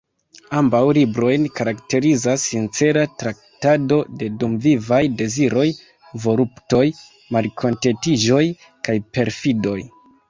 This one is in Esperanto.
Ambaŭ librojn karakterizas "sincera traktado de dumvivaj deziroj, voluptoj, malkontentiĝoj kaj perfidoj.